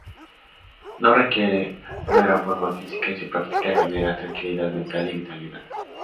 No requiere una gran forma física y su práctica genera tranquilidad mental y vitalidad.